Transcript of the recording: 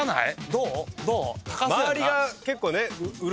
どう？